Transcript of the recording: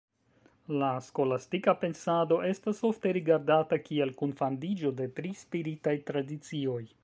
La skolastika pensado estas ofte rigardata kiel kunfandiĝo de tri spiritaj tradicioj.